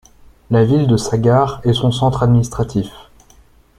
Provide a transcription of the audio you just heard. La ville de Sagar est son centre administratif.